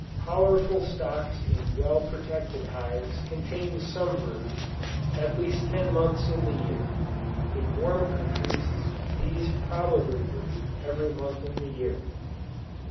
Powerful stocks in well protected hives contain some brood, at least ten months in the year; in warm countries, bees probably breed, every month in the year.